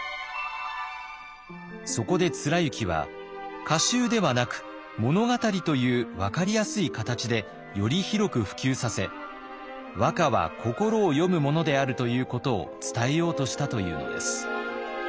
そこで貫之は歌集ではなく物語という分かりやすい形でより広く普及させ和歌は心を詠むものであるということを伝えようとしたというのです。